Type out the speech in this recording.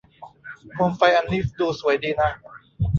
โคมไฟอันนี้ดูสวยดีนะ